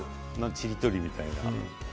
ちりとりみたいな。